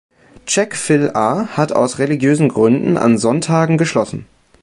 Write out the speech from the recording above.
Chick-fil-A hat aus religiösen Gründen an Sonntagen geschlossen.